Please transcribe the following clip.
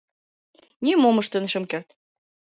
Нимом ыштен шым керт.